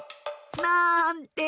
なんて。